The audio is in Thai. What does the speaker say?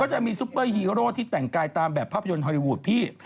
จะมีซุปเปอร์ฮีโร่ที่แต่งกายตามแบบภาพยนตฮอลลีวูดพี่